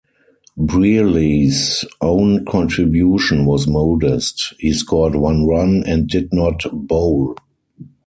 Brearley's own contribution was modest: he scored one run and did not bowl.